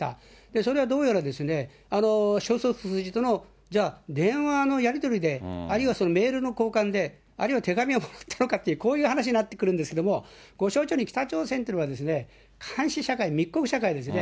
それはどうやらですね、消息筋との電話のやり取りで、あるいは、メール交換であるいは手紙をやったのかって、こういう話になってくるんですけども、ご承知のように、北朝鮮というのは監視社会、密告社会ですね。